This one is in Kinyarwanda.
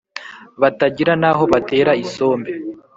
batagira n'aho batera isombe